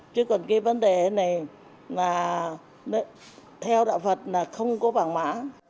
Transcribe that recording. chứ còn cái vấn đề này là theo đạo phật là không có vàng mã